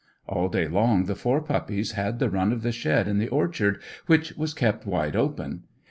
All day long the four puppies had the run of the shed in the orchard, which was kept wide open.